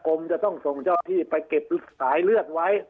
จะต้องส่งเจ้าที่ไปเก็บสายเลือดไว้